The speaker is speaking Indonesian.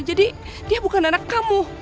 jadi dia bukan anak kamu